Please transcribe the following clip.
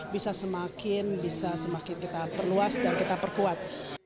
bisa semakin kita perluas dan kita perkuat